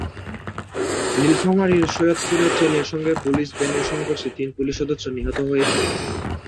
নীলফামারীর সৈয়দপুরে ট্রেনের সঙ্গে পুলিশ ভ্যানের সংঘর্ষে তিন পুলিশ সদস্য নিহত হয়েছেন।